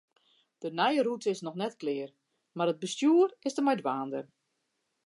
De nije rûte is noch net klear, mar it bestjoer is der mei dwaande.